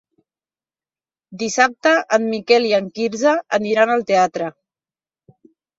Dissabte en Miquel i en Quirze aniran al teatre.